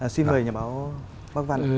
xin hời nhà báo bác văn